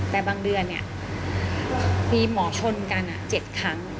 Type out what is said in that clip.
แต่บางเดือนเนี่ยมีหมอชนกัน๗ครั้ง